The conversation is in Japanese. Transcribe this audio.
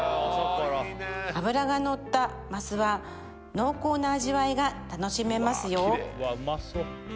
脂がのった鱒は濃厚な味わいが楽しめますよ